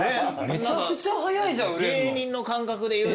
めちゃくちゃ早いじゃん。